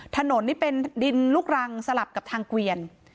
ถนนนี่เป็นดินลูกรังสลับกับทางเกวียน